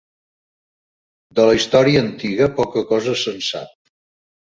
De la història antiga poca cosa se'n sap.